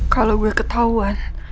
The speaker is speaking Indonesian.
kalau gue ketauan